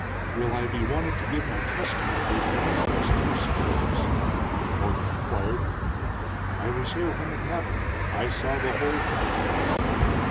"Will I be wanted to give my testimony at the inquest, do you suppose?" Morgan inquired. "I was here when it happened; I saw the whole thing."